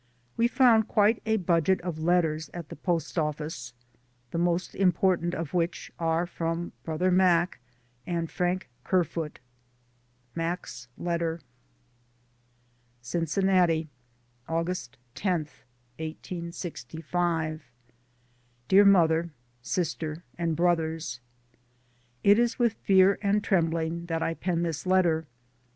We found quite a budget of letters at the post office, the most important of which are from brother Mac and Frank Kerfoot. Mac's letter : 264 DAYS ON THE ROAD. Cincinnati, August lo, 1865. Dear Mother, Sister and Brothers: It is with fear and trembling that I pen this letter.